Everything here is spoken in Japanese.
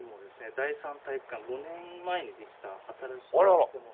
第三体育館５年前にできた新しい建物。